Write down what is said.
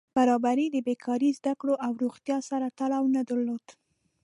برابري د بېکاري، زده کړو او روغتیا سره تړاو نه درلود.